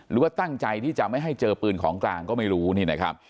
หรือว่าตั้งใจที่จะไม่ให้เจอปืนของกลางก็ไม่รู้นี่นะครับ